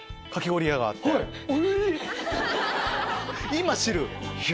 今知る。